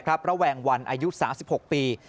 ระววิงวันอัยุด๓๖ปี